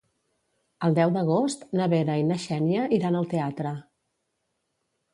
El deu d'agost na Vera i na Xènia iran al teatre.